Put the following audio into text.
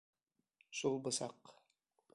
Шул бысаҡ.